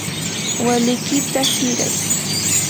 walikiyta hiray.